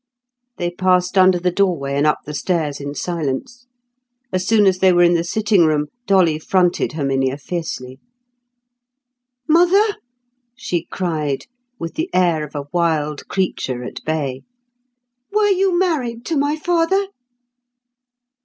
They passed under the doorway and up the stairs in silence. As soon as they were in the sitting room, Dolly fronted Herminia fiercely. "Mother," she cried, with the air of a wild creature at bay, "were you married to my father?"